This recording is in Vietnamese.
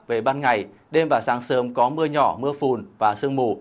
về ban ngày đêm và sáng sớm có mưa nhỏ mưa phùn và sương mù